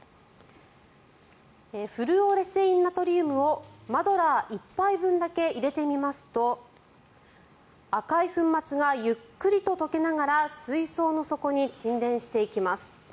フルオレセインナトリウムをマドラー１杯分だけ入れてみますと赤い粉末がゆっくりと溶けながら水槽の底に沈殿していきます。